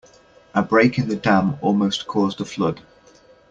A break in the dam almost caused a flood.